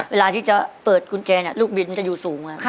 เวลาที่จะเปิดกุญแจลูกบินมันจะอยู่สูง